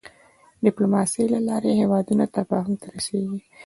د د ډيپلوماسی له لارې هېوادونه تفاهم ته رسېږي.